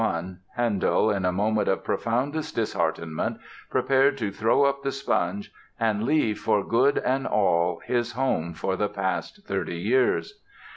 ] Still, by the spring of 1741, Handel in a moment of profoundest disheartenment prepared to throw up the sponge and leave for good and all his home for the past thirty years.